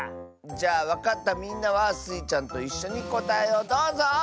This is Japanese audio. じゃあわかったみんなはスイちゃんといっしょにこたえをどうぞ！